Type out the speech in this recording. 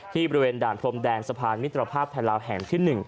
บริเวณด่านพรมแดนสะพานมิตรภาพไทยลาวแห่งที่๑